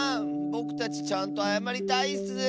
ぼくたちちゃんとあやまりたいッス！